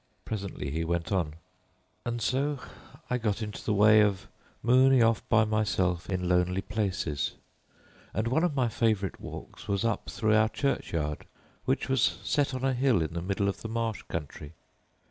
Presently he went on— "And so I got into the way of mooning off by myself in lonely places, and one of my favourite walks was up through our churchyard, which was set high on a hill in the middle of the marsh country.